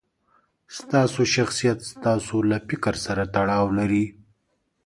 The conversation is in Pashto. ستاسو شخصیت ستاسو له فکر سره تړاو لري.